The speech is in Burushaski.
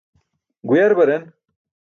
Guyar baren.